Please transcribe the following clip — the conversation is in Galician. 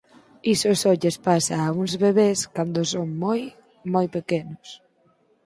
Iso só lles pasa a uns bebés cando son moi, moi pequenos.